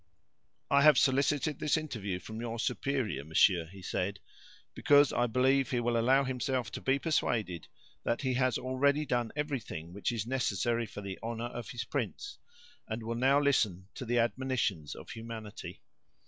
"I have solicited this interview from your superior, monsieur," he said, "because I believe he will allow himself to be persuaded that he has already done everything which is necessary for the honor of his prince, and will now listen to the admonitions of humanity.